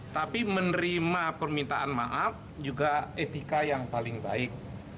tapi menerima permintaan maaf juga etika yang paling baik